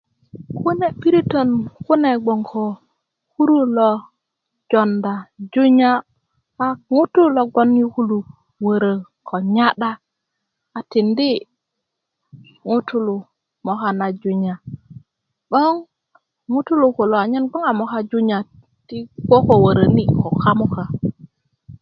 kune piritön kune gboŋ kuru lo jonda junya a ko ŋutu' lo gboŋ yu kulu wörö ko nya'da tindi ŋutulu ko moka na junya 'boŋ ŋutulu kulo anyen a moka junya ti ko wöröni ko kamuka